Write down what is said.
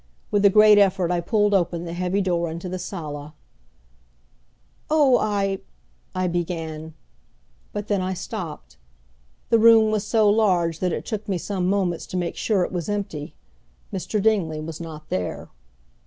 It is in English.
With a great effort I pulled open the heavy door into the sala. "Oh, I " I began; but then I stopped. The room was so large that it took me some moments to make sure it was empty. Mr. Dingley was not there.